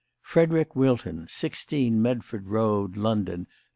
"Frederick Wilton, 16 Medford Road, London, N.